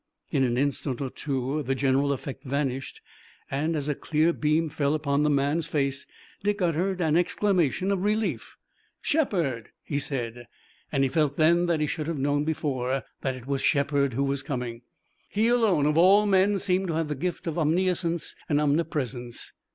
In an instant or two the general effect vanished and as a clear beam fell upon the man's face Dick uttered an exclamation of relief. "Shepard!" he said, and he felt then that he should have known before that it was Shepard who was coming. He, alone of all men, seemed to have the gift of omniscience and omnipresence.